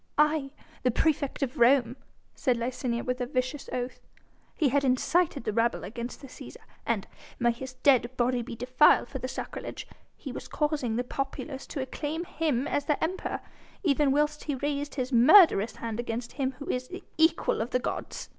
"Aye! the praefect of Rome," said Licinia, with a vicious oath. "He had incited the rabble against the Cæsar, and may his dead body be defiled for the sacrilege! he was causing the populace to acclaim him as their Emperor, even whilst he raised his murderous hand against him who is the equal of the gods!"